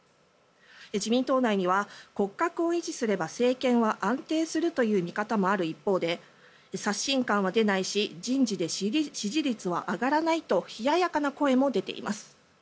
自民党内には骨格を維持すれば政権は安定するという見方もある一方で刷新感は出ないし人事で支持率は上がらないと冷ややかな声も出ています。